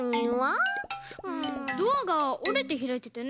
ドアがおれてひらいてたよね？